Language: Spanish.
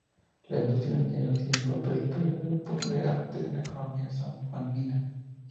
La industria minera tiene un papel preponderante en la economía sanjuanina.